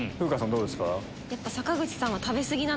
どうですか？